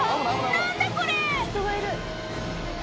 何だこれ！